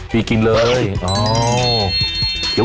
พี่กินเลย